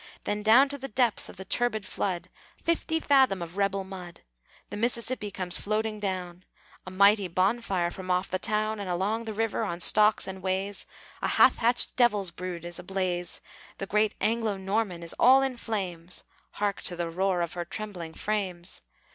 Then down to the depths of the turbid flood, Fifty fathom of rebel mud! The Mississippi comes floating down, A mighty bonfire from off the town; And along the river, on stocks and ways, A half hatched devil's brood is ablaze, The great Anglo Norman is all in flames (Hark to the roar of her trembling frames!)